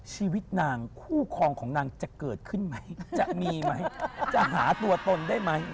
ชีวิตนางคู่ครองของนางจะเกิดขึ้นไหมจะมีไหมจะหาตัวตนได้ไหม